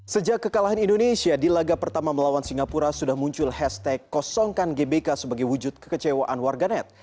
sejak kekalahan indonesia di laga pertama melawan singapura sudah muncul hashtag kosongkan gbk sebagai wujud kekecewaan warganet